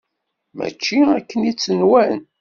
Mačči akken i tt-nwan.